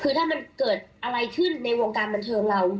คือถ้ามันเกิดอะไรขึ้นในวงการบันเทิงเรา